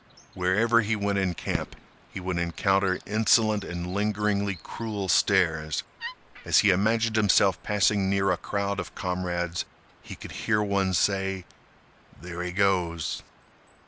Wherever he went in camp, he would encounter insolent and lingeringly cruel stares. As he imagined himself passing near a crowd of comrades, he could hear one say, "There he goes!"